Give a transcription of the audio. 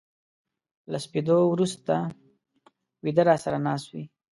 له سپېدو ورو سته و يده را سره ناست وې